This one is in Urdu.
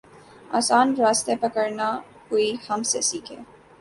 آسان راستے پکڑنا کوئی ہم سے سیکھے۔